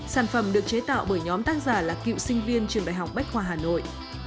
sản phẩm được chế tạo bởi nhóm tác giả là cựu sinh viên trường đại học bách khoa hà nội